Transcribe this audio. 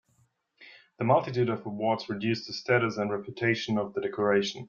The multitude of awards reduced the status and reputation of the decoration.